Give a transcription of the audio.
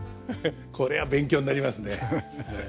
これは勉強になりますねええ。